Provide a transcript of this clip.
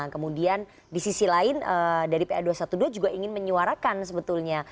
kemudian di sisi lain dari pa dua ratus dua belas juga ingin menyuarakan sebetulnya